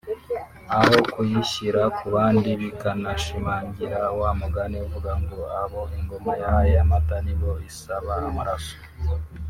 aho kuyishyira ku bandi bikanashimangira wa mugani uvuga ngo “Abo ingoma yahaye amata nibo isaba amaraso